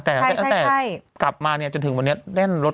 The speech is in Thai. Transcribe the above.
แต่ตั้งแต่กลับมาจนถึงวันนี้แน่นรถอีกเลย